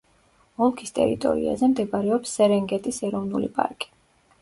ოლქის ტერიტორიაზე მდებარეობს სერენგეტის ეროვნული პარკი.